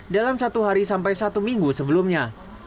dalam satu hari sampai satu minggu sebelumnya